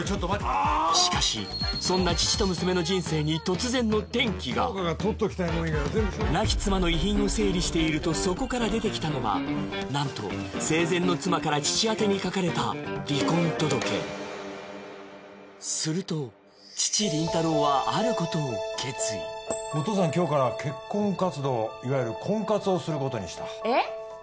しかしそんな父と娘の人生に突然の転機が亡き妻の遺品を整理しているとそこから出てきたのはなんと生前の妻から父あてに書かれた離婚届するとお父さん今日から結婚活動いわゆる婚活をすることにしたえっ？